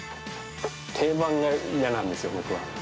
定番が嫌なんですよ、僕は。